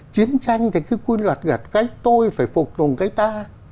chiến tranh thì cứ quy luật gật cách tôi phải phục tùng cái ta